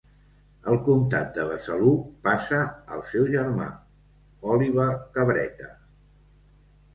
El comtat de Besalú passa al seu germà Oliba Cabreta.